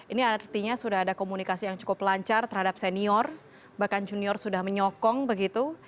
ini artinya sudah ada komunikasi yang cukup lancar terhadap senior bahkan junior sudah menyokong begitu